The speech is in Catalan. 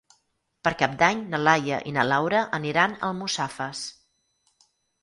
Per Cap d'Any na Laia i na Laura aniran a Almussafes.